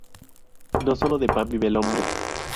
No solo de pan vive el hombre